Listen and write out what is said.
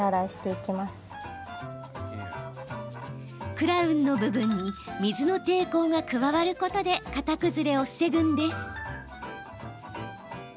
クラウンの部分に水の抵抗が加わることで形崩れを防ぐんです。